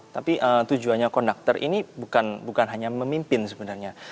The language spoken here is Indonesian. tapi tujuannya konduktor ini bukan hanya memimpin sebenarnya